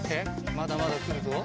まだまだくるぞ。